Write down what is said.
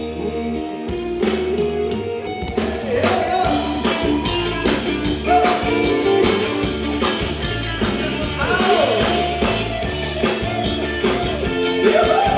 ดร้องจะทดไป